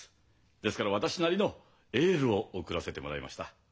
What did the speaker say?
ですから私なりのエールを送らせてもらいました。